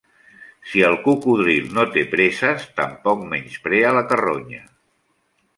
Si el cocodril no té preses, tampoc menysprea la carronya.